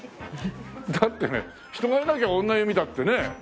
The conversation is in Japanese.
だってね人がいなきゃ女湯見たってね。